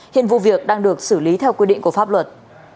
hiện vụ việc đang được xử lý theo quy định của pháp luật